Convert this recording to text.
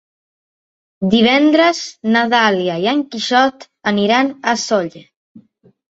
Divendres na Dàlia i en Quixot aniran a Sóller.